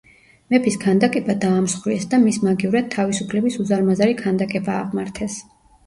მეფის ქანდაკება დაამსხვრიეს და მის მაგივრად თავისუფლების უზარმაზარი ქანდაკება აღმართეს.